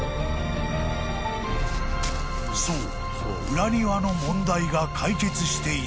［そう裏庭の問題が解決していない］